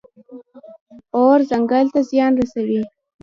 اور ځنګل ته زیان رسوي.